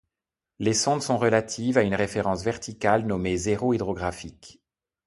Les sondes sont relatives à une référence verticale nommée zéro hydrographique.